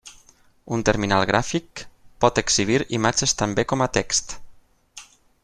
Un terminal gràfic pot exhibir imatges tan bé com a text.